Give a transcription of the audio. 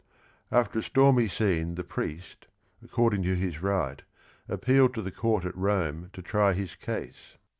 After a stormy scene the priest, according to his right, appealed to the court at Rome to try his case.